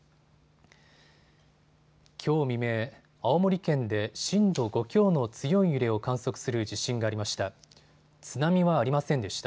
きょう未明、青森県で震度５強の強い揺れを観測する地震がありました。